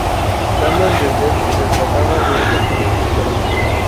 dando a entender que se trataba de un documento interno